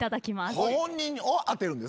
ご本人を当てるんですね。